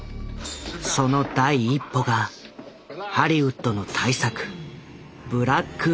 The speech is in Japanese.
その第一歩がハリウッドの大作「ブラック・レイン」だった。